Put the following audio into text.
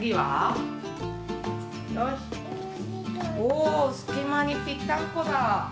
おすきまにぴったんこだ。